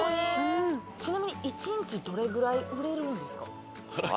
ちなみに一日どれぐらい売れるんですか？